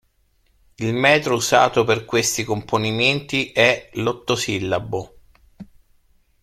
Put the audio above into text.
Il metro usato per questi componimenti è l'ottosillabo.